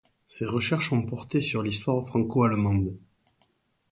Ses recherches ont porté sur l’histoire franco-allemande.